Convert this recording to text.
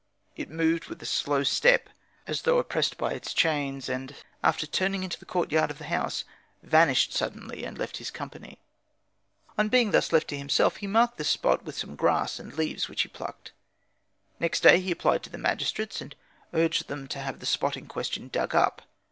It moved with a slow step, as though oppressed by its chains, and, after turning into the courtyard of the house, vanished suddenly and left his company. On being thus left to himself, he marked the spot with some grass and leaves which he plucked. Next day he applied to the magistrates, and urged them to have the spot in question dug up.